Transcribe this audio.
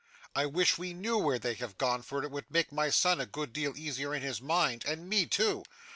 'I wish we knew where they have gone, for it would make my son a good deal easier in his mind, and me too.